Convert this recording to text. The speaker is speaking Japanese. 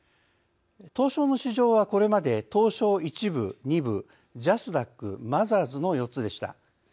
東証の市場は、これまで東証１部、２部、ジャスダックマザーズの４つでした。